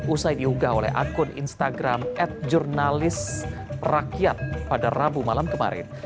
usai dihugah oleh akun instagram adjournalis rakyat pada rabu malam kemarin